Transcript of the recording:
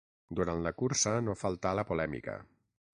Durant la cursa no faltà la polèmica.